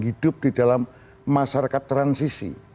hidup di dalam masyarakat transisi